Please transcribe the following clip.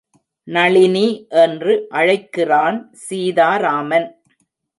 நளினி என்று அழைக்கிறான் சீதாராமன்.